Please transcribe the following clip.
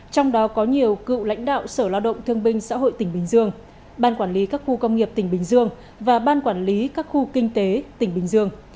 trong đó có nhiều cựu lãnh đạo sở lao động thương binh xã hội tỉnh bình dương ban quản lý các khu công nghiệp tỉnh bình dương và ban quản lý các khu kinh tế tỉnh bình dương